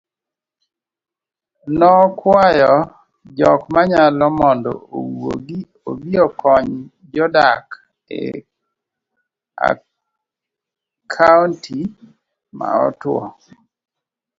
nokwayo jokmanyalo mondo owuog obiokony jodak ekaonti ma otuwo